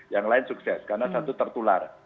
yang lain sukses karena satu tertular